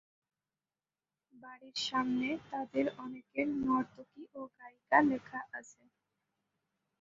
বাড়ির সামনে তাদের অনেকের 'নর্তকী ও গায়িকা' লেখা আছে।